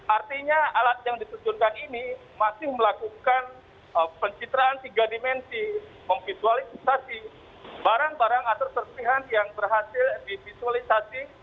artinya alat yang ditujunkan ini masih melakukan pencitraan tiga dimensi memvisualisasi barang barang atur serpihan yang berhasil divisualisasi